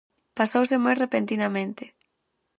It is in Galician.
Pasouse moi repentinamente.